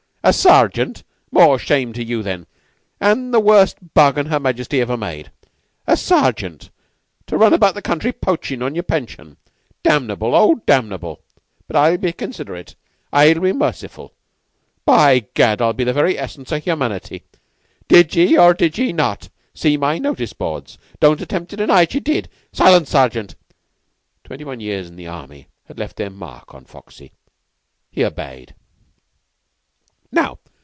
A sergeant? More shame to you, then, an' the worst bargain Her Majesty ever made! A sergeant, to run about the country poachin' on your pension! Damnable! Oh, damnable! But I'll be considerate. I'll be merciful. By gad, I'll be the very essence o' humanity! Did ye, or did ye not, see my notice boards? Don't attempt to deny it! Ye did. Silence, Sergeant!" Twenty one years in the army had left their mark on Foxy. He obeyed. "Now.